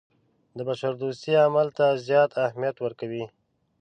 د بشردوستۍ عمل ته زیات اهمیت ورکوي.